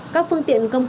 các phương tiện công cộng